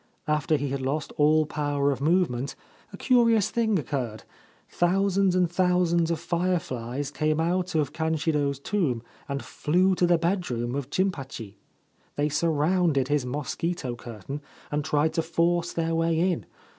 After he had lost all power of movement a curious thing occurred. Thousands and thousands of fireflies came out of Kanshiro's tomb and flew to the bedroom of Jimpachi. They surrounded his mosquito cur tain and tried to force their way in.